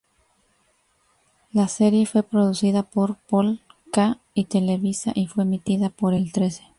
La serie fue producida por Pol-ka y Televisa y fue emitida por El trece.